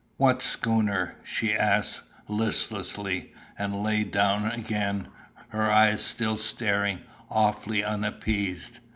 "What schooner?" she asked listlessly, and lay down again, her eyes still staring, awfully unappeased.